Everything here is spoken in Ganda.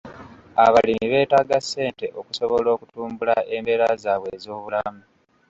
Abalimi beetaaga ssente okusobola okutumbula embeera zaabwe ez'obulamu.